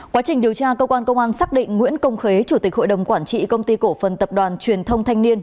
quá trình điều tra cơ quan công an xác định nguyễn công khế chủ tịch hội đồng quản trị công ty cổ phần tập đoàn truyền thông thanh niên